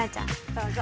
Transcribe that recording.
どうぞ。